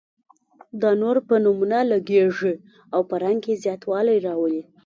دا نور په نمونه لګیږي او په رنګ کې زیاتوالی راولي.